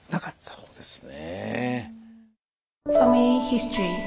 そうですねぇ。